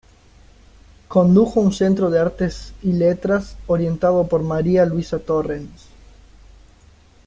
Condujo un Centro de Artes y Letras, orientado por María Luisa Torrens.